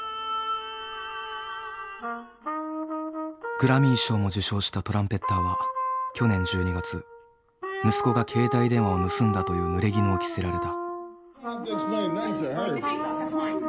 グラミー賞も受賞したトランペッターは去年１２月息子が携帯電話を盗んだというぬれぎぬを着せられた。